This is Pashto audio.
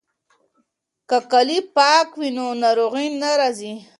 که کالي پاک وي نو ناروغي نه راځي.